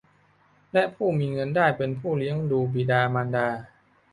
และผู้มีเงินได้เป็นผู้เลี้ยงดูบิดามารดา